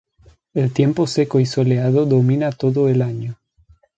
El tiempo seco y soleado domina todo el año.